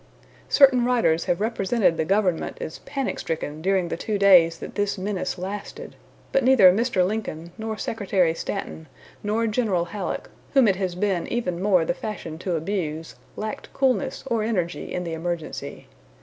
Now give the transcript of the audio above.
Certain writers have represented the government as panic stricken during the two days that this menace lasted; but neither Mr. Lincoln, nor Secretary Stanton, nor General Halleck, whom it has been even more the fashion to abuse, lacked coolness or energy in the emergency.